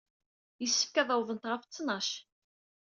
Yessefk ad awḍent ɣef ttnac.